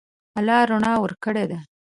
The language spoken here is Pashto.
الله رڼا ورکړې ده.